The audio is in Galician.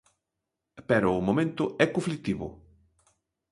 Pero o momento é conflitivo.